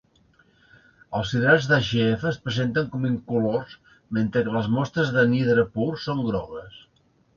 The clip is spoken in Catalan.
Els hidrats d'AgF es presenten com incolors, mentre que les mostres d'anhidre pur són grogues.